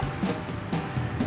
saya kena selamat